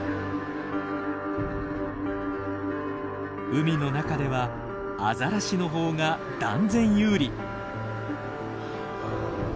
海の中ではアザラシの方が断然有利。